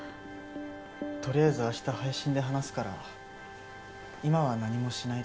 とりあえず明日配信で話すから今は何もしないで。